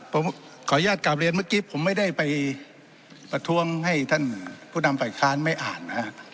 ผมขออนุญาตกลับเรียนเมื่อกี้ผมไม่ได้ไปประท้วงให้ท่านผู้นำฝ่ายค้านไม่อ่านนะฮะ